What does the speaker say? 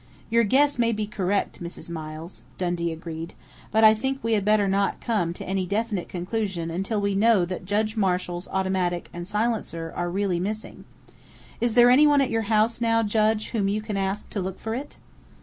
"Your guess may be correct, Mrs. Miles," Dundee agreed, "but I think we had better not come to any definite conclusion until we know that Judge Marshall's automatic and silencer are really missing.... Is there anyone at your house now, Judge, whom you can ask to look for it?"